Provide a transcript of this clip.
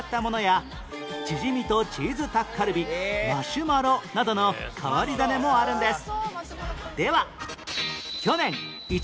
チヂミとチーズタッカルビマシュマロなどの変わり種もあるんです